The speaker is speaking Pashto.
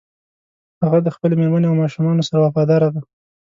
هغه د خپلې مېرمنې او ماشومانو سره وفاداره ده